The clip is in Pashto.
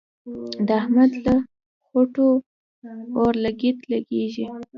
د احمد له خوټو اورلګيت لګېږي.